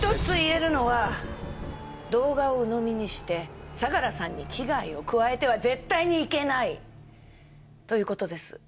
１つ言えるのは動画をうのみにして相良さんに危害を加えては絶対にいけないということです。